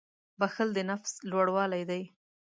• بښل د نفس لوړوالی دی.